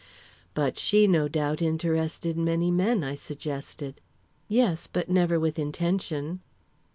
"But she no doubt interested many men," I suggested. "Yes, but never with intention."